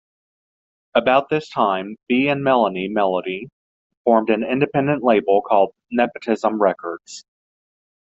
About this time, Bee and Melleny Melody formed an independent label called "Nepotism Records".